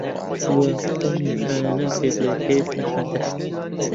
وە ئەو نیشانانەم پێ بلێ کە ئێستا هەتە؟